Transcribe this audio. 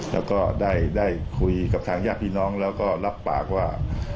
และได้คุยกับทางย่าพี่น้องและก็รับปากว่า